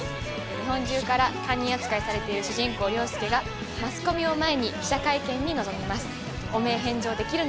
日本中から犯人扱いされている主人公凌介がマスコミを前に記者会見に臨みます汚名返上できるのか？